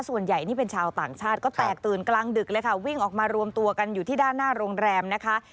ส่วนใหญ่นี่เป็นชาวต่างชาติก็แตกตื่นกลางดึกเลยค่ะวิ่งออกมารวมตัวกันอยู่ที่ด้านหน้าโรงแรมนะคะ